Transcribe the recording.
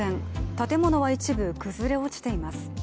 建物は一部、崩れ落ちています。